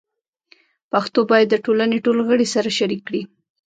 پښتو باید د ټولنې ټول غړي سره شریک کړي.